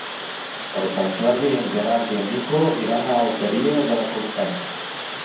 Per Sant Jordi en Gerard i en Nico iran a l'Alqueria de la Comtessa.